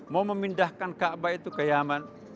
mau memindahkan kaabah itu ke yaman